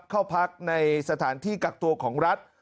เข้าพักในสถานที่กักตัวของรัฐ